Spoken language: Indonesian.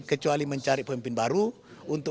kecuali mencari pemimpin baru untuk